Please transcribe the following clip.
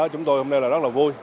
chúng tôi hôm nay rất là vui